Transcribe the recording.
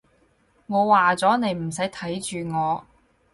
我話咗，你唔使睇住我